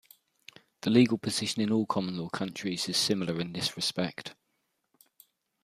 The legal position in all common law countries is similar in this respect.